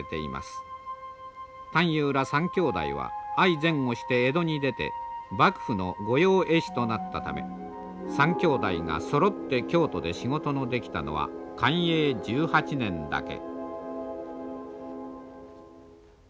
探幽ら３兄弟は相前後して江戸に出て幕府の御用絵師となったため３兄弟がそろって京都で仕事のできたのは寛永１８年だけ。